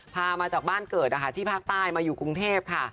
พามาจากบ้านเกิดนะคะที่ภาคใต้มาอยู่กรุงเทพค่ะ